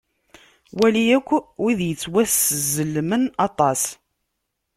Wali akk wid yettwaszemlen aṭas.